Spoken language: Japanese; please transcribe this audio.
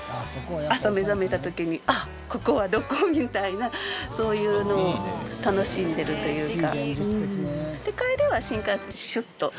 朝目覚めた時にここはどこ？みたいなそういうのを楽しんでるというか。